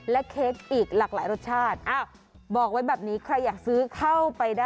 และเค้กอีกหลากหลายรสชาติ